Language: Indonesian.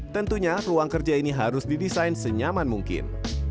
tentunya ruang kerja ini harus didesain senyaman mungkin